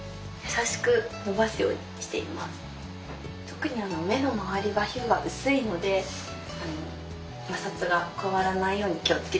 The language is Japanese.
特に目の周りは皮膚が薄いので摩擦が加わらないように気をつけています。